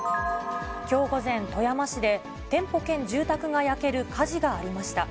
きょう午前、富山市で店舗兼住宅が焼ける火事がありました。